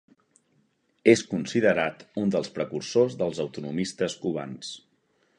És considerat un dels precursors dels autonomistes cubans.